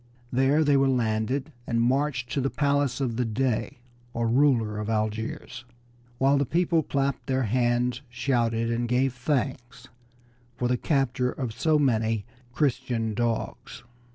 There they were landed and marched to the palace of the Dey, or ruler of Algiers, while the people clapped their hands, shouted, and gave thanks for the capture of so many "Christian dogs."